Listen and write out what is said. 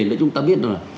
nói chung ta biết là